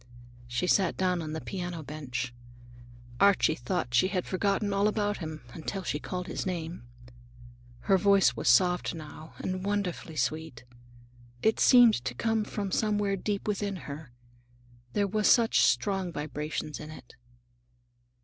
She sat down on the piano bench. Archie thought she had forgotten all about him, until she called his name. Her voice was soft now, and wonderfully sweet. It seemed to come from somewhere deep within her, there were such strong vibrations in it.